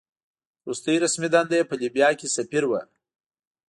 وروستۍ رسمي دنده یې په لیبیا کې سفیر وه.